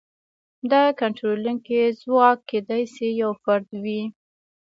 دا کنټرولونکی ځواک کېدای شي یو فرد وي.